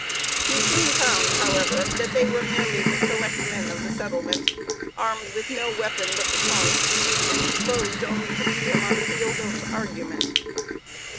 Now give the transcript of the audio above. He soon found, however, that they were merely the "select men" of the settlement, armed with no weapon but the tongue, and disposed only to meet him on the field of argument.